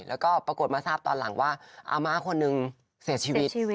แล้วก็ปรากฏมาทราบตอนหลังว่าอาม่าคนนึงเสียชีวิต